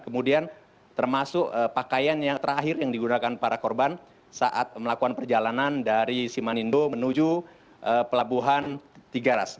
kemudian termasuk pakaian yang terakhir yang digunakan para korban saat melakukan perjalanan dari simanindo menuju pelabuhan tiga ras